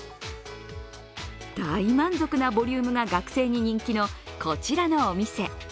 大満足なボリュームが学生に人気のこちらのお店。